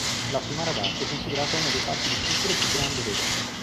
La Fiumara d'arte è considerata uno dei parchi di sculture più grande d'Europa.